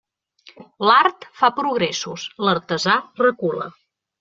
L'art fa progressos, l'artesà recula.